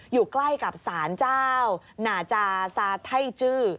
อยู่ใกล้กับสารเจ้านาจาซาไท่จื้อ